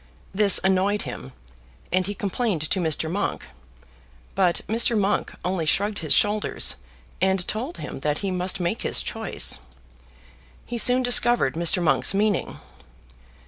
This annoyed him, and he complained to Mr. Monk; but Mr. Monk only shrugged his shoulders and told him that he must make his choice. He soon discovered Mr. Monk's meaning.